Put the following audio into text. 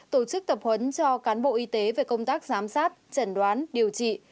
tổ chức tập huấn cho cán bộ y tế về công tác giám sát chẩn đoán điều trị